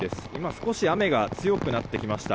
少し雨が強くなってきました。